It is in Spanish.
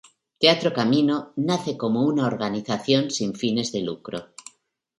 Teatro Camino nace como una organización sin fines de lucro.